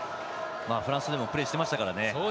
フランスでもプレーしてましたからね。